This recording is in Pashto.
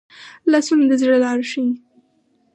لاسونه د زړه لاره ښيي